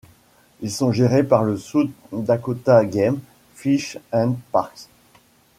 Ils sont gérés par le South Dakota Game, Fish and Parks.